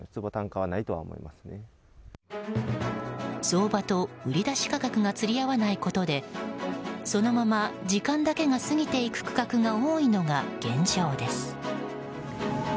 相場と売り出し価格が釣り合わないことでそのまま時間だけが過ぎていく区画が多いのが現状です。